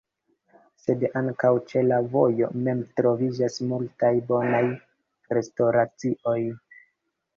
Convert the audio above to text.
Sed ankaŭ ĉe la vojo mem troviĝas multaj bonaj restoracioj.